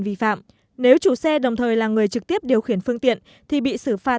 vi phạm nếu chủ xe đồng thời là người trực tiếp điều khiển phương tiện thì bị xử phạt